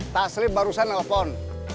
taslim barusan nelfon